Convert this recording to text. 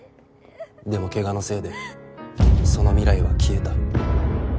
でもケガのせいでその未来は消えた。